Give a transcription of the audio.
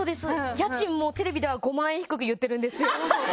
家賃もテレビでは５万円低く言っているんですよ。